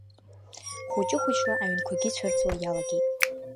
Хәыҷы-хәыҷла аҩнқәагьы цәырҵуа иалагеит.